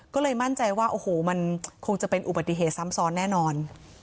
ก็เลยมั่นใจว่าโอ้โหมันคงจะเป็นอุบัติเหตุซ้ำซ้อนแน่นอน